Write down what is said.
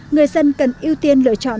người dân cần ưu tiên lựa chọn